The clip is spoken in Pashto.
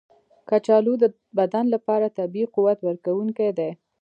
کچالو د بدن لپاره طبیعي قوت ورکونکی دی.